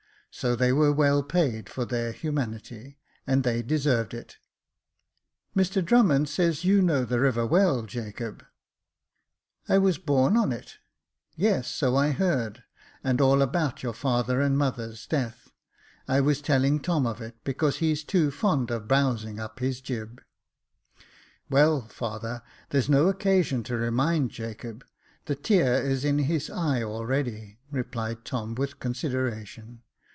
So they were well paid for their humanity, and they deserved it. Mr Drummond says you know the river well, Jacob." " I was born on it." " Yes, so I heard, and all about your father and mother's death. I was telling Tom of it, because he's too fond of bowsing up his jib, ^''" Well, father, there's no occasion to remind Jacob ; the tear is in his eye already," replied Tom, with consideration.